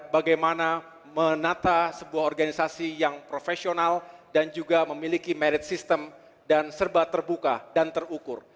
bagaimana menata sebuah organisasi yang profesional dan juga memiliki merit system dan serba terbuka dan terukur